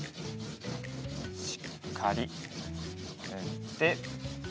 しっかりぬって。